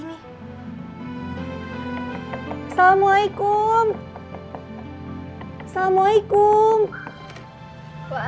ya itu dong